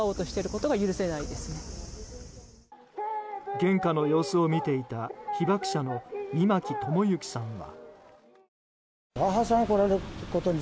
献花の様子を見ていた被爆者の箕牧智之さんは。